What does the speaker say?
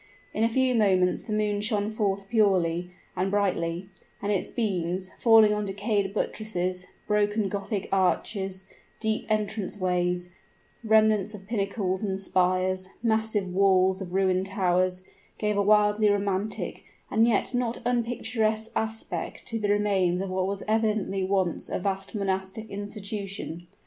In a few moments the moon shone forth purely and brightly; and its beams, falling on decayed buttresses, broken Gothic arches, deep entrance ways, remnants of pinnacles and spires, massive walls of ruined towers, gave a wildly romantic and yet not unpicturesque aspect to the remains of what was evidently once a vast monastic institution.